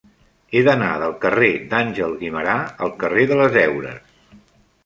He d'anar del carrer d'Àngel Guimerà al carrer de les Heures.